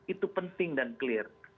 itu penting dan clear